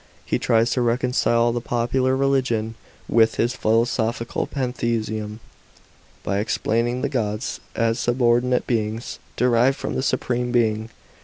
He tries to reconcile the popular religion with his philosophical pantheism, by explaining the gods as subordinate beings, derived from the Supreme Being.